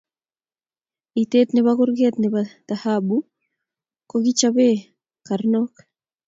Eitiet nebo kurget nebo tahabu kokikichobe karnok